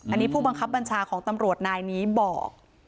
อันนี้ผู้บังคับบัญชาของตำรวจนายนี้บอก